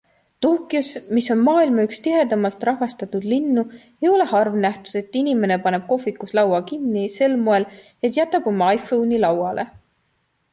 Tokyos, mis on maailma üks tihedamalt rahvastatud linnu, ei ole harv nähtus, et inimene paneb kohvikus laua kinni sel moel, et jätab oma iPhone'i lauale.